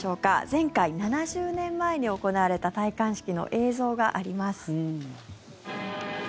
前回、７０年前に行われた戴冠式の映像があります。